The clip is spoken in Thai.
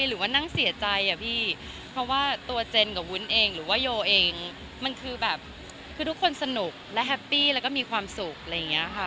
หรือว่านั่งเสียใจอะพี่เพราะว่าตัวเจนกับวุ้นเองหรือว่าโยเองมันคือแบบคือทุกคนสนุกและแฮปปี้แล้วก็มีความสุขอะไรอย่างนี้ค่ะ